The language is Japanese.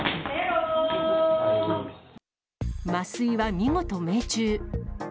麻酔は見事命中。